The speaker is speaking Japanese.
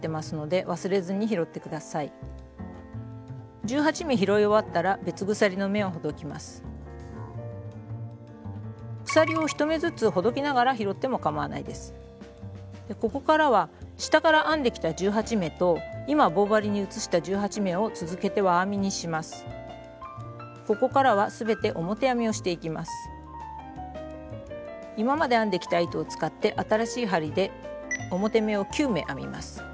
今まで編んできた糸を使って新しい針で表目を９目編みます。